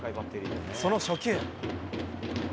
その初球。